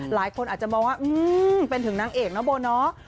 หลายคนอาจจะมองว่าเป็นถึงนางเอกนะโบเนาะ